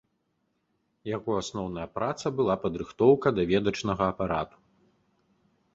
Яго асноўная праца была падрыхтоўка даведачнага апарату.